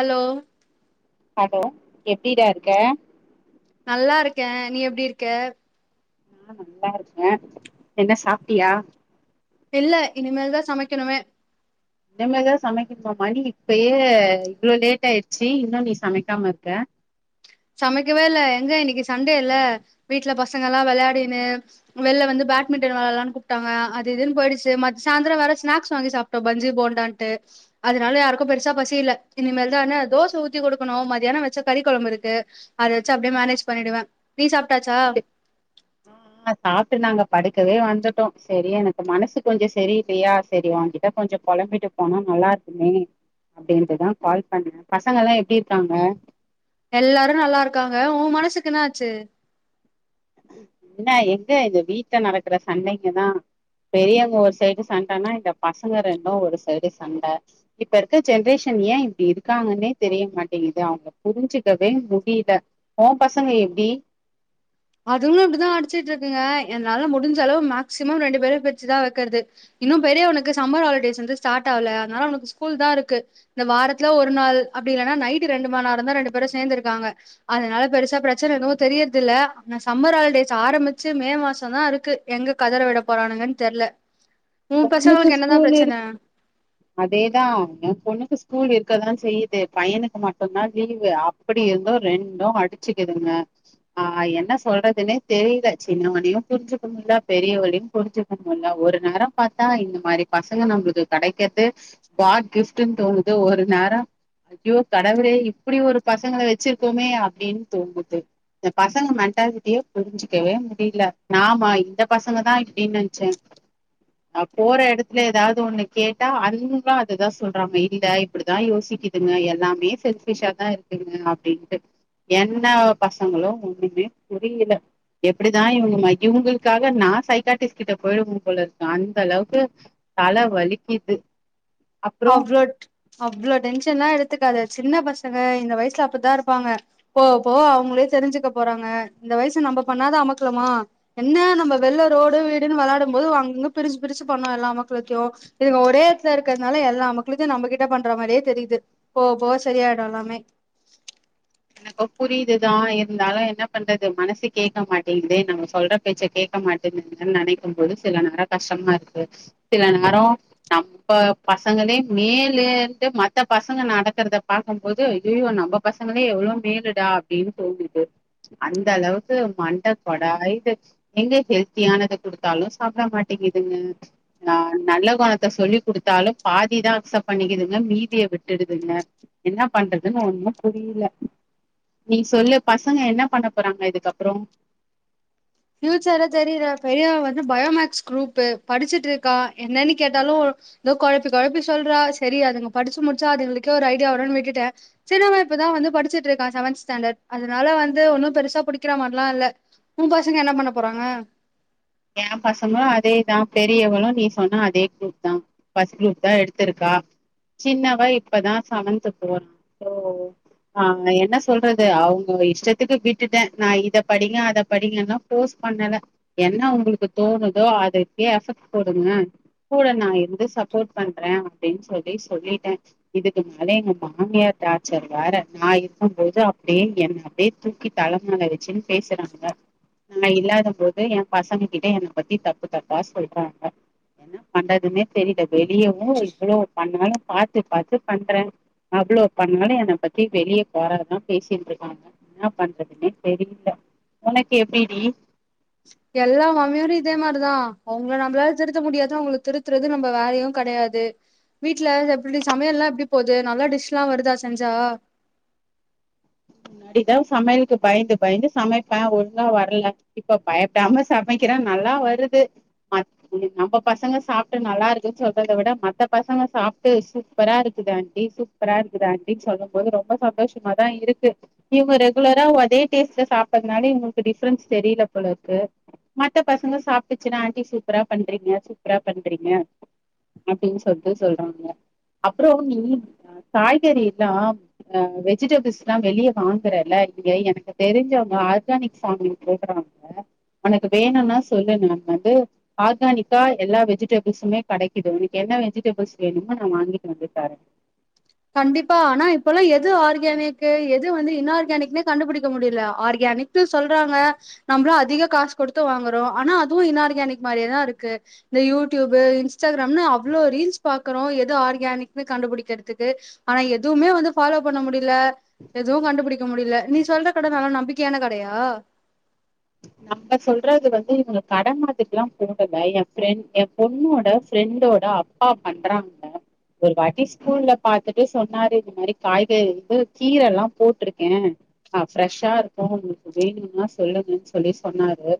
Allow hello எப்டிடா இருக்க நல்லாருக்கே நீ எப்டிருக்க ஆஹ் நல்லா ருக்கே என்ன சாப்ட்டியா இல்ல இனிமேல்தா சமக்கணுமே இனிமேதா சமக்கிணுமா மணி இப்பயே இவ்ளோ லேட் ஆயிடுச்சி இன்னு நீ சமக்காமருக்க சமைக்கவே ல்ல எங்க இன்னக்கி சண்டேல்ல வீட்ல பச ங்கல்லா வெளயாடின்னு வெள்ல வந்து பேட்மிட்டன் வெளாலானு கூப்ட்டாங்க அதுஇதுன்னு போயிடுச்சி மத் சாயந்தர ஸ்நாக்ஸ் வாங்கி சாப்ட்டோ பஞ்சி போண்டாட்டு அதனால யாருக்கு பெருசா பசி ல்ல இனமேல் தான தோச ஊத் த்தி குடுக்கணு மதியானோ வச்ச கறி கொழம்புருக்கு அத வச்சி அப்டியே மேனேஜ் பண்ணிடுவ நீ சாப் ம்ம் சாப்ட்டு நாங்க படுக் கலே வந்துட்டோ செரி எனக்கு மனசு கொஞ்சோ செரியில்லயா செரி ஓங்கிட்ட கொஞ்சோ பொலம்பிட்டு போனா நல்லாருக் கு அப்டின்ட்டுதா கால் பண்ணே பசங்கல்லா எப்டிருக்காங எல்லாரு நல்லாருக்காங ஓ மனசுக்கு என்னாச்சி என்ன எங்க இந்த வீட்ல நடக்கற சண்டைங்கதா பெரியவங்க ஒரு சைடு சண்டனா இந்த பசங்க ரெண்டு ஒரு சைடு சண்ட இப்ப ருக்க ஜென்ரேஷன் ஏ இப்டி ருக்காங்கனே தெரிய மாட்டேங்கிது அவுங்க புரிஞ்சிக்கவே முடில ஓ பசங்க எப்டி அதுங்ளு இப்டிதா அடிச்சிட்டுருக்குங்க என்னால முடிஞ்ச அளவு மேக்சிமம் ரெண்டு பேர பிருச்சி தான் வைக்கிறது இன்னும் பெரியவனுக்கு சம்மர் ஹாலிடேஸ் வந்து ஸ்டார்ட் ஆ அதனால அவனுக்கு ஸ்கூல் தான் இருக்கு இந்த வாரத்தில்ல ஒரு நாள் அப்டிஇல்லனா நைட்டு ரெண்டு மண நேரம் தான் ரெண்டு பேரும் சேர்ந்து இருக்காங்க அதனால பெருசா பிரச்சனை எது தெரியர்தில்ல நான் சம்மர் ஹாலிடேஸ் ஆரம்பிச்சு மே மாசம் தான் இருக்கு எங்க கதற விட போறானுங்கன்னு தெர்ல உன் பொண்ணுக்கு பசங்களுக்கு என்னதான் ஸ்கூல் பிரச்சன? இருக்கு அதேதான் ஏ பொண்ணுக்கு ஸ்கூல் இருக் இருக்கதான் செய்யுது பையனுக்கு மட்டும்தான் லீவு அப்படி இருந்தோ ரெண்டும் அடிச்சுக்கிதுங்க ஆஹ் என்ன சொல்றதுன்னே தெரியல சின்னவனையும் புரிஞ்சுக்க முல்ல பெரியவையும் புரிஞ்சுக்க முல்ல ஒரு நேரோம் பாத்தா இந்த மாதிரி பசங்க நம்மளுக்கு கிடைக்கிறது காட் கிஃப்ட்ன்னு தோணுது ஒரு நேரோம் ஐயோ கடவுளே இப்டி ஒரு பசங்கள வச்சிருக்கோமே அப்டின்னு தோனுது இந்த பசங்க மென்டாலிட்டியே புரிஞ்சுக்கவே முடியல நாம இந்த பசங்க தான் இப்டின்னு நினைச்சேன் போற இடத்துல ஏதாவது ஒண்ணு கேட்டா அதுந்களும் அதுதான் சொல்றாங்க இல்ல இப்டிதான் யோசி க்குதுங்க எல்லாமே செல்ஃபிஸ்ஷா தான் இருக்குதுங்க அப்டின்ட்டு என்ன பசங்களும் ஒண்ணுமே புரியல எப்டிதான் இவுங்கள இவங்களுக்காக நான் சைக்காட்டிஸ்ட் கிட்ட போயிடுன்னு போலருக் அந்த அளவுக்கு தலை வலிக்குது அப்றோ அவ்ளோ ட்ரு அவ்ளோ டென்ஷன் எல்லா எடுத்துக்காத சின்ன பசங்க இந்த வயசுல அப்டித்தான் இருப்பாங்க போவ போவ அவங்களே தெரிஞ்சுக்க போறாங்க இந்த வயசு ந ம்ம் பண்ணாத அமக்கலமா என்ன நம்ம வெள்ள ரோடு வீடு விளாடும் போது அங்க பிரிச்சி பிரிச்சு பண்ணோம் எல்லா அமக்களுத்தோ இதுங்க ஒரே இடத்துல இருக்கத் னால எல்லா அமக்களுத்தையும் நம்மகிட்ட பண்ற மாதிரியே தெரியுது போவ போவ சரியாயிடும் எல்லாமே எனக்கு புரியுதுதான் இருந்தாலும் என்ன பண்றது மனசு கேட்க மாட்டேங்குது நம்ம சொல்ற பேச்ச கேக்க மாட்டேனு நினைக்கும்போது சில நேரோம் கஷ்டமா இருக்கு சில நேரோம் நம்ம ப சங்களே மேலுன்ட்டு மத்த பசங்க நடக்கறத பார்க்கும்போது ஐயய்யோ நம்ம பசங்க எவ்ளோ மேலுடா அப்டின்னு தோனுது அந்த அளவுக்கு மண்டை கொடாயது எங்க ஹெல்த்தியானதை கொடுத்தாலும் சாப்பிட மாட்டேங்க ங்க் நல்ல குணத்தை சொல்லி கொடுத்தாலும் பாதி தான் அக்ச்ட் பண்ணிக்கக்குதுங்க மீதிய விட்டுடுதுங்க என்ன பண்றதுன்னு ஒண்ணும் புரியல நீ சொல்லு பசங்க என்ன பண்ண போறாங்க இதுக்கப்புறம் பியூச்சர்ல தெரியல பெரிய வந்து பயோமக்ஸ் குரூப் படிச்சுட்டு இருக்கா என்னன்னு கேட்டாலு ஏதோ குழப்பி குழப்பி சொல்றா சரி அதுங்க படிச்சு முடிச்சா அதுங்களுக்கே ஒரு ஐடியா வரும் விட்டுட்டேன் சரி [unintelligible] தான் வந்து படிச்சுட்டு இருக்கான் செவன்த் ஸ்டாண்டர்ட் அதனால வந்து ஒன்னும் பெருசா புடிக்க மாரி லா இல்ல பசங்க என்ன பண்ண போறாங்க என் பசங்களும் அதேதான் பெரியவளும் நீ சொன்ன அதே கூத் தான் பஸ்ட் குரூப் தான் எடுத்திருக்கா சின்னவ இப்பதான் செவன்து போறான் சோ ஆ என்ன சொல்றது அவங்கங்க இஷ்டத்துக்கு விட்டுட்டே நான் இத படிங்க அத படிங்கன்னா ஃபோர்சே பண்ணல என்ன உங்களுக்கு தோணுதோ அத எஃபெக்ட் போடுங்க கூட நான் இருந்து சப்போர்ட் பண்றேன் அப்படின்னு சொல்லி சொல்லிட்டேன் இதுக்கு மேல எங்க மாமியார் டார்ச்சர் வேற நான் இருக்கும் போது அப்படியே என் அப்படியே தூக்கி தலமேல வச்சுன்னு பேசுறாங்க நாங்க இல்லாத போது என் பசங்க கிட்ட என்னை பத்தி தப்பு தப்பா சொல்றாங்க என்ன பண்றதுமே தெரியல வெளியவும் இவ்வளவு பண்ணாலும் பாத்துு பாத்துு பண்றே அவ்வளவு பண்ணாலும் என் பத்தி வெளியே கொரதான் பேசின்ட் இருக்காங்க என்ன பண்றதுன்னே தெரியல உனக்கு எப்படிடி எல்லா மாமியாரும் இதே மாதிரிதான் அவங்கள நம்மளால திருத்த முடியாதது அவங்களுக்கு திருத்துறது நம்ம வேலயும் க கடையாது வீட்ல எப்படி சமையம் எல்லாம் எப்படி போது நல்லா டிஷ் எல்லாம் வருதா செஞ்சா அடிதான் சமையலுக்கு பயந்து பயந்து சமை பன் ஒழுங்கா வரல இப்ப பயப்படாம சமைக்க நல்லா வருது நம்ம பசங்க சாப்ட்டு நல்லா இருக்கு சொல்லறத விட மத்த பசங்க சாப்ட்டு சூப்பரா இருக்குது ஆண்டி சூப்பரா இருக்குது ஆண்டினு சொல்லும் போது ரொம்ப சந்தோஷமா தான் இருக்கு இவங்க ரெகுலரா அதே டேஸ்ட்ல சாப்பறதுனால இவங்களுக்கு டிஃப்ரென்ஸ் தெரியல போல இருக்கு மத்த பசங்க சாப்ட்டுச்சுன்னா ஆண்டி சூப்பரா பண்றீங்க சூப்பரா பண்றீங்க அப்படின்னு சொல்ட்டு சொல்றாங்க அப்புறம் நீ காய்கறி எல்லாம் அ வெஜிடபிள்ஸ் எல்லாம் வெளியே வாங்குரல இல்ல எனக்கு தெரிஞ்சவங்க ஆர்கானிக் சாமின் போடுறாங்க உனக்கு வேணும்னா சொல்லு நான் வந்து ஆர்கானிக்கா எல்லா வெஜிடபிள்ஸுமே கிடைக்குிது உனக்கு என்ன வெஜிடபிள்ஸ் வேணுமோ நான் வாங்கிட்டு வந்து தரேன் கண்டிப்பா ஆனா இப்பல்லா எது ஆர்கானிக் எது வந்து இன்ஆர்கானிக்னே கண்டுபிடிக்க முடியல ஆர்கானிக சொல்றாங்க நம்மளும் அதிக காசு கொடுத்து வாங்கறோம் ஆனா அதுவும் இன்ஆர்கானிக் மாரியேதான் இருக்கு இந்த யூடியூப் இன்ஸ்டாகிராம் அவ்ளோ ரீல்ஸ் பாக்குறோம் எதுோ ஆர்கானிக்ு கண்டுபிடிக்கிறதுக்கு ஆனா எதுவுமே வந்து ஃபாலோ பண்ண முடியல எதுவும் கண்டுபுடிக்க முடியல நீ சொல்ற கடை நல்லா நம்பிக்கையான கடையா [unintelligible] ப்ப சொல்றது வந்து இவங்க கடை மாரில்லா போடல என் பிரெண்ட் என் பொண்ணோட ப்ரெண்டோட அப் ப்பா பண்றாங்க ஒரு வாட்டி ஸ்கூல் ல பாத்துட்டு சொன்னாரு இந்த மாதிரி காய்கறி வந்து கீரை எல்லாம் போட்ருக்கே ஆ ஃப்ரெஷ்ஷா இருக்கும் உங்களுக்கு வேணும்னா சொல்லுங்கன்னு சொல்லி சொன்னாரு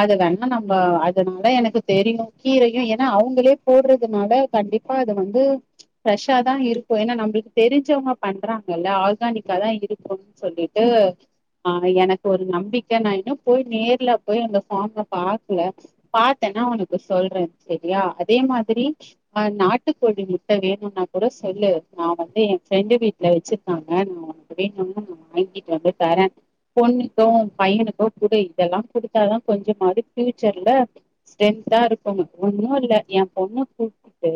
அது வேணா நம்ம அதனால எனக்கு தெரியும் கீரையும் ஏன்னா அவங்களே போடுறதுனால கண்டிப் பா அது வந்து ஃப்ரெஷ்ஷா தான் இருக்கு ஏன்னா நம்மளுக்கு தெரிஞ்சவங்க பண்றாங்கல்ல ஆர்கானிக்கா தான் இருக்கும்னு சொல்லிட்டு ஆ எனக்கு ஒரு நம்பிக்கை நான் இன்னும் போய் நேர்ல போய் அந்த ஃபார்ம் பாக்கல பார்த்தேன்னா உனக்கு சொல்றேன் சரியா அதே மாதிரி ஆ நாட்டுக்கோழி முட்டை வேணும்னா கூட சொல்லு நான் வந்து என் ஃப்ரெண்டு வீட்ல வச் வச்சிருக்காங்க நான் உனக்கு வேணுனா நான் வாங்கிட்டு வந்து தரே பொண்ணுக்கும் பையனுக்கும் குடு இதெல்லா கொடுத்தாதான் கொஞ்சமாது ஃபியூச்சர்ல ஸ்ட்ரென்தா இருக்கும்ங்க ஒன்னும் இல்ல என் பொண்ணு கூட்டிட்டு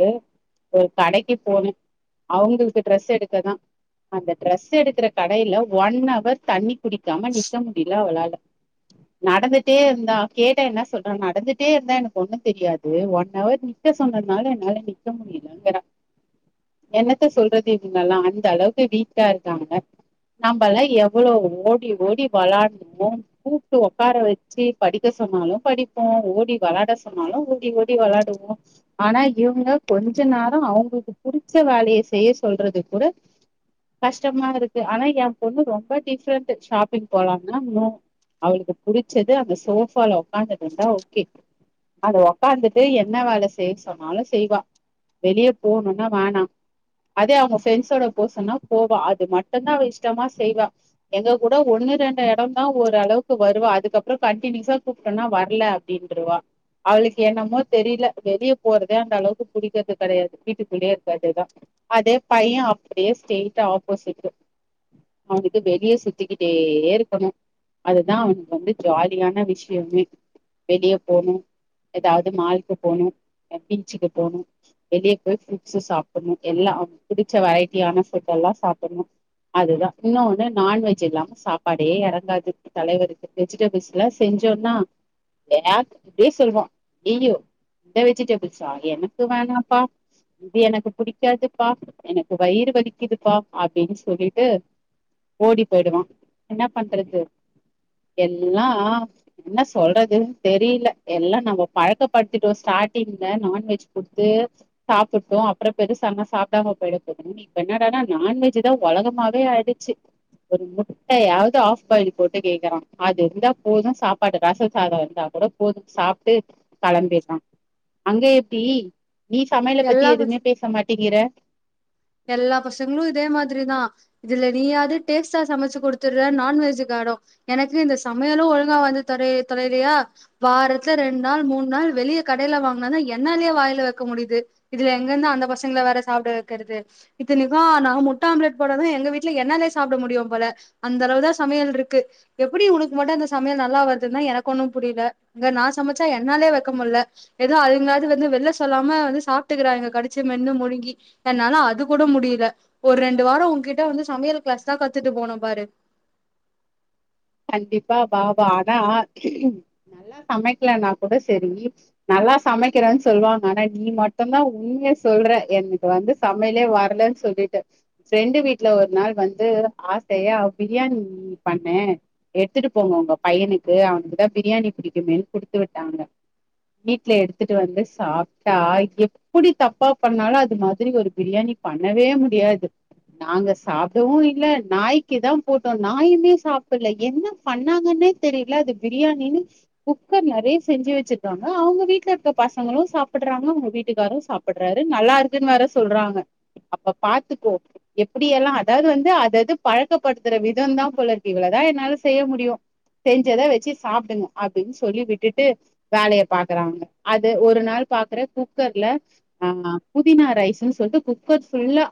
ஒரு கடைக்கு போனு அவங்களுக்கு ட்ரெஸ் எடுக்கதான் அந்த ட்ரெஸ் எடுக்குற கடையில ஒன் அவர் தண்ணி குடிக்காம நிக்க முடியல அவளால [inaudible] நடந்துட்டே இருந்தான் கேட்ட என்ன சொல்ற நடந்துட்டே இருந்தா எனக்கு ஒண்ணும் தெரியாது ஒன் அவர் நிக்க சொன்ன னால என்னால நிக்க முடியலங்கறா என்னத்த சொல்றது இவங்கல்லாம் அந்த அளவுக்கு வீக்கா இருக்காங்க நம்பல்லாம் எவ்ளோ ஓடி ஓடி வெளாடுவோம் கூப்ட்டு உக்கார வச்சு படிக்க சொன்னாலும் படிப்போம் ஓடி வெளாட சொன்னாலும் ஓடி ஓடி வெளாடுவோம் ஆ ஆனா இவங்க கொஞ்ச நேரம் அவங்களுக்கு புடிச்ச வேலைய செய்ய சொல்றது கூட கஷ்டமாருக்கு ஆனா என் பொண்ணு ரொம்ப டிஃப்ரெண்ட்டு ஷாப்பிங் போலாம்னா நோவும் அவளுக்கு புடிச்சது அந்த சோஃபால உக்காந்ததுட்டுருந்தா ஓகே அவ உக்காந்துட்டு என்ன வேல செய்ய சொன்னாலும் செய்வா வெளிய போணும்னா வேனா அதே அவங்க பிரெண்ஸோட போ சொன்னா போவா அது மட்டும்தான் அவ இஷ்டமா செய்வா எங்க கூட ஒண் ணு ரெண்டு எடம் தான் ஓரளவுக்கு வருவா அதுக்கப்புறம் கண்டினியூஸா கூப்ட்டோனா வரல அப்டின்னுருவா அவளுக்கு என்னமோ தெரில வெளிய போறதே அந்த அளவுக்கு புடிக்கறது கெடையாது வீட்டுக்குள்ளயே இருக்கதுதான் அதே பையன் அப்டியே ஸ்டேட் ஆப்போசிட் அவனுக்கு வெளியே சுத்திகிட்டே இருக்கணும் அதுதான் அவனுக்கு வந்து ஜாலியான விஷயமே வெளியே போனும் எதாவுது மால்கு போணு பீச்சுக்கு போணு வெளியே போய் ஃபுட்ஸு சாப்புணு எல்லா புடுச்ச வெரைட்டியான ஃபுட்டா ல்லா சாப்புட்ணு அதுதா இன்னா ஒண்ணு நான்வெஜ் இல்லாம சாப்பாடே எறங்காது தலைவருக்கு வெஜிடேபிள்ஸ்லா செஞ்சோம்னா ஏ இப்டியே சொல்வா அய்யயோ இந்த வெஜிடேபிள்ஸா எனக்கு வேணாம்பா இது எனக்கு பிடிக்காதுப்பா எனக்கு வயிறு வலிக்குதுப்பா அப்டினு சொல்லிட்டு ஓடி போயிடுவா என்ன பண்றது எல்லா என்ன சொல்றது தெரியில எல்லா நம்ம பழக்கப்படுத்திட்டோ ஸ்டாட்டிங் இந்த நான்வெஜ் கொடுத்து சாப்புட்டோ அப்றோ பெருசானா சாப்டாம போயிட போது இப்ப என்னடானா நான்வெஜுதா ஒலகமாவே ஆயிடுச்சு ஒரு முட்டையாவுது ஆஃப் பாயில் போட்டு கேக்குறா அது இருந்தா போது சாப்பாடு ரச சாதோ இருந்தா கூட போது சாப்டு கெளம்பி ட்டா அங்க எப்டி நீ சமையல பத்தி எல்லா எதுவுமே பேச மாட்டேங்கிற எல்லா பசங்களு இதே மாதிரி தா இதுல நீயாது டேஸ்டா சமச்சு குடுத்துடுற நான்வெஜுகா [unintelligible] எனக்கு இந்த சமையலு ஒழுங்கா வந்து தொலே தொலையிலயா வாரத்து ரெண் நாள் மூன் நாள் வெளிய கடையில வாங்னா தா என்னாலயே வாயில வைக்க முடியுது இதுல எங்க இருந்தா அந்த பசங்கள வேற சாப்ட வெக்குறது இத்தனைக்கோ நா முட்ட ஆம்லேட் போட்டாதா எங்க வீட்ல என்னாலயே சாப்ட முடியு போல அந்த அளவு தா சமையல் இருக் கு எப்புடி உனக்கு மட்டு அந்த சமையல் நல்லா வருதுன்னா எனக்கு ஒன்னு புரியல நா சமச்சா என்னாலே வைக்க முல் ல எதோ அதுங்களாவுது வந்து வெள்ல சொல்லாம வந்து சாப்டுகுறாங்க கடுச்சு மென்னு முழுங்கி என்னால அது கூட முடியில ஒரு ரெண்டு வாரோ உங்கிட்ட வந்து சமையல் கிளாஸ் தா கத்துட்டு போனு பாரு கண்டிப்பா வா வா ஆனா நல்லா சமைக்லனா கூட செரி நல்லா சமைக்கிறேன்னு சொல்வாங்க ஆனா நீ மட்டுந்தா உண்மைய சொல்ற எனக்கு வந்து சமையலே வர்லனு சொல்லிட்டு ஃபிரண்டு வீட்ல ஒரு நாள் வந்து ஆ சையா பிரியாணி பண்ணே எடுத்துட்டு போங்க உங்க பையனுக்கு அவனுக்குதா பிரியாணி பிடிக்குமேனு குடுத்து விட்டாங்க வீட்ல எடுத்துட்டு வந்து சாப்டா எப்புடி தப்பா பண்ணாலு அது மாதிரி ஒரு பிரியாணி பண்ணவே முடியாது நாங்க சாப்டவு இல்ல நாய்க்கி தா போட்டோ நாயுமே சாப்டல என்ன பண்ணாங்கனே தெரியல அது பிரியாணினு குக்கர் நெறைய செஞ்சு வச்சுட்டாங்க அவுங்க வீட் வீட்ல இருக்க பசங்களு சாப்டுறாங்க அவுங்க வீட்டுக்காரு சாப்டுறாரு நல்லா இருக்குனு வேற சொல்றாங்க அப்ப பாத்துக்கோ எப்புடி எல்லா அதாவுது வந்து அதது பழக்கப்படுத்துற விதோந்தா போலருக்கு இவளதா என்னால செய்ய முடியு செஞ்சத வெச்சி சாப்டனு அப்டின் சொல்லி விட்டுட்டு வேலய பாக்குறாங்க அது ஒரு நாள் பாக்குற குக்கர்ல ஆ புதினா ரைஸுன் சொல்ட்டு குக்கர் ஃபுல்லா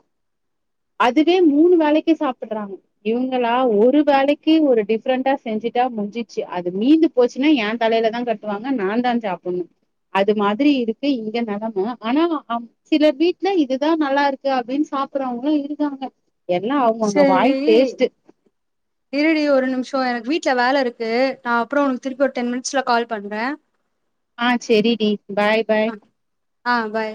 அதுவே மூணு வேலைக்கி சாப்புட்றாங்க இவுங்களா ஒரு வேலைக்கி ஒரு டி ஃப்ரெண்டா செஞ்சுட்டா முஞ்சிச்சு அது மீந்து போச்சுன்னா எ தலையில தா கட்டுவாங்க நா தா சாப்புன்னோ அது மாதிரி இருக்கு இங்க நெலம ஆனா அம் சில வீட்ல இதுதா நல்லாருக்கு அப்டின் சாப்புறவங்க இருக்காங்க எல்லா அவுங்கவுங்க சரி வாய் டேஸ்டு சோ எனக் வீட்ல வேல இருக்கு நா அப்புறோ உன் திருப்பி ஒரு டென் மினிட்ஸ்ல கால் பண்ற ஆ செரி டி பாய் பாய் ஆ பாய்